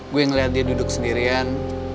gue yang ngeliat dia duduk sendirian